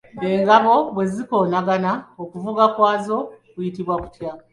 Engabo bwe zikoonagana, okuvuga kwazo kuyitibwa kutya?